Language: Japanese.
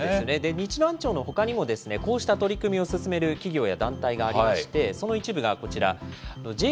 日南町のほかにもこうした取り組みを進める企業や団体がありまして、その一部がこちら、Ｊー